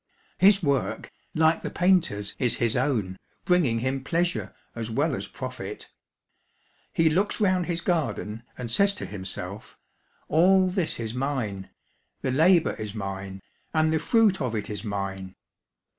His work, like the painter's, is his own, bringing him pleasure as well as profit. He looks round his garden and says to himself, " All this is mine, the . labour is mine, and the fruit of it is mine."